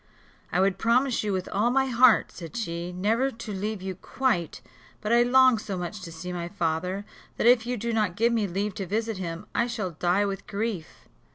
"I would promise you, with all my heart," said she, "never to leave you quite; but I long so much to see my father, that if you do not give me leave to visit him I shall die with grief."